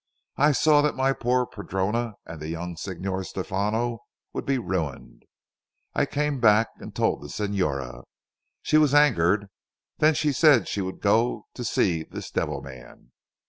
I saw that my poor padrona and the young Signor Stefano would be ruined. I came back and told the Signora. She was angered. Then she said she would go to see this devil man.